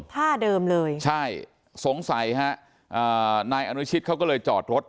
ท่าเดิมเลยใช่สงสัยฮะอ่านายอนุชิตเขาก็เลยจอดรถ